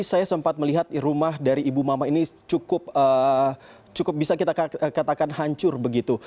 saya sempat melihat rumah dari ibu mama ini cukup bisa kita katakan hancur begitu